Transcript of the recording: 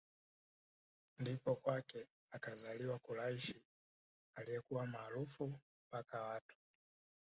Ndipo kwake akzaliwa Quraysh aliyekuwa maarufu mpaka watu